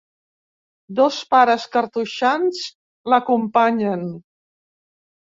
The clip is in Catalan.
Dos pares cartoixans l'acompanyen.